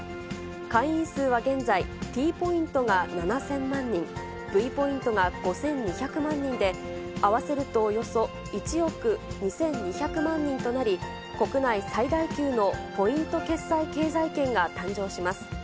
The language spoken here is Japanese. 会員数は現在、Ｔポイントが７０００万人、Ｖポイントが５２００万人で、合わせるとおよそ１億２２００万人となり、国内最大級のポイント決済経済圏が誕生します。